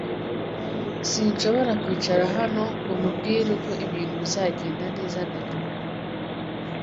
Sinshobora kwicara hano ngo nkubwire uko ibintu bizagenda neza na nyoko.